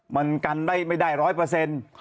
มันกันไม่ได้แก่๑๐๐